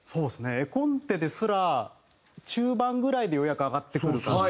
絵コンテですら中盤ぐらいでようやく上がってくる感じで。